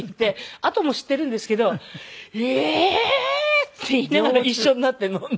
あとも知っているんですけど「へえー！」って言いながら一緒になって飲んで。